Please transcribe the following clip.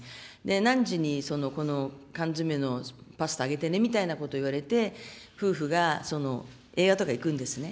何時にこの缶詰めのパスタあげてねみたいなことを言われて、夫婦が映画とか行くんですね。